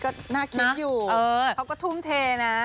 ก็น่าคิดอยู่เขาก็ทุ่มเทนะ